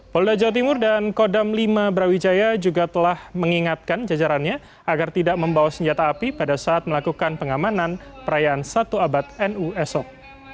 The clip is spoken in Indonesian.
polda jawa timur dan kodam lima brawijaya juga telah mengingatkan jajarannya agar tidak membawa senjata api pada saat melakukan pengamanan perayaan satu abad nu esok